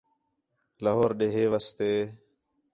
لاہور ݙے ہِے واسطے